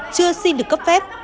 chưa xin được cấp phép